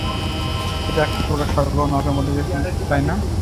এটা একপ্রকার স্বর্গ ও নরকের মধ্যবর্তী স্থান, তাই না?